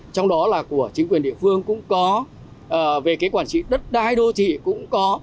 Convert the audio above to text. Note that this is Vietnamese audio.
trong đó là của chính quyền địa phương cũng có về cái quản trị đất đai đô thị cũng có